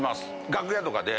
楽屋とかで。